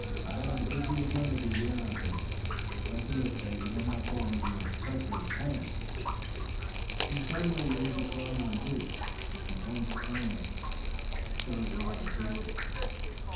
"Lad, I bid thee again to beware of him! Look to it that you do not fall into his treacherous hands!" His sudden use of the pronoun "thee," and his intense earnestness, stirred Robert deeply.